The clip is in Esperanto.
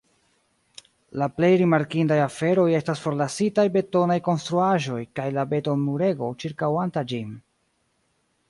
La plej rimarkindaj aferoj estas forlasitaj betonaj konstruaĵoj kaj la beton-murego ĉirkaŭanta ĝin.